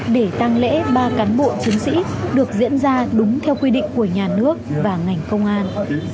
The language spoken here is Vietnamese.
để tăng lễ ba cán bộ chiến sĩ được diễn ra đúng theo quy định của nhà nước và ngành công an